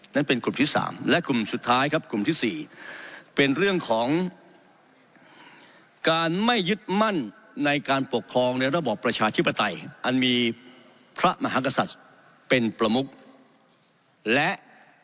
นั้นเป็นกลุ่มที่๓และกลุ่มสุดท้ายครับกลุ่มที่๔เป็นเรื่องของการไม่ยึดมั่นในการปกครองในระบอบประชาธิปไตยอันมีพระมหากษัตริย์เป็นประมุกและ